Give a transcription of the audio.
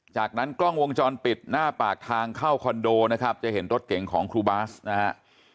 จากนั้นกล้องวงจรปิดหน้าปากทางเข้าคอนโดนะครับจะเห็นรถเก่งของครูบาสนะฮะ